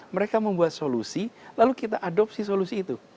mereka membuat solusi lalu kita adopsi solusi itu